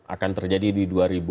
akan terjadi di dua ribu sembilan belas